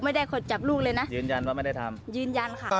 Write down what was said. ไม่ได้ขดจับลูกเลยนะยืนยันว่าไม่ได้ทำยืนยันค่ะ